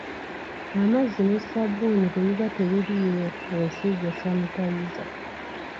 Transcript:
Amazzi ne ssabbuuni bwe biba tebiriiwo, weesiige sanitayiza.